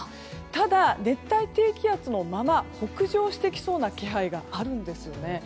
ただ、熱帯低気圧のまま北上してきそうな気配があるんですよね。